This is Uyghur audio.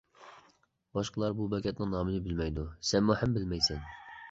باشقىلار بۇ بېكەتنىڭ نامىنى بىلمەيدۇ، سەنمۇ ھەم بىلمەيسەن.